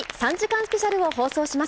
スペシャルを放送します。